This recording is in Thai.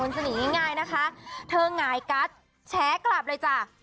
อย่างงี้ง่ายนะคะเธองายกัดแชร์กลับเลยจ้ะ